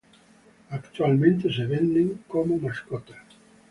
Actualmente se venden como mascotas.